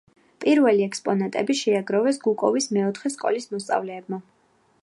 პირველი ექსპონატები შეაგროვეს გუკოვოს მეოთხე სკოლის მოსწავლეებმა.